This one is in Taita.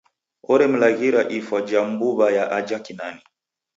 Oremlaghira ifwa ja mbu'wa ya aja Kinani.